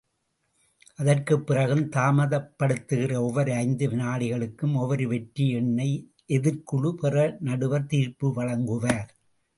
அதற்குப் பிறகும் தாமதப்படுத்துகிற ஒவ்வொரு ஐந்து வினாடிகளுக்கும் ஒவ்வொரு வெற்றி எண்ணை எதிர்க்குழு பெற நடுவர் தீர்ப்பு வழங்குவார்.